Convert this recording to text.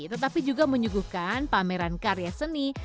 tetapi juga menyuguhkan pameran karya seni